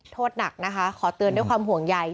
โทษหนักนะคะขอเตือนด้วยความห่วงใย